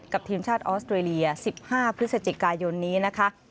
ทีมชาติออสเตรเลีย๑๕พฤศจิกายนนี้นะคะ